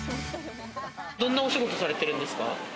どんなお仕事されてるんですか？